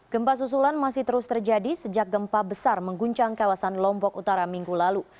gempa susulan masih terus terjadi sejak gempa besar mengguncang kawasan lombok utara minggu lalu